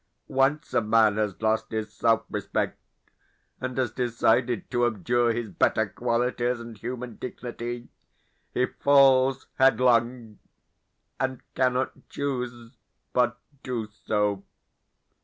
Once a man has lost his self respect, and has decided to abjure his better qualities and human dignity, he falls headlong, and cannot choose but do so.